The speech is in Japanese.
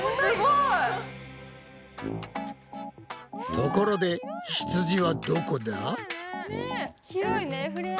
ところでひつじはどこだ？いるよ！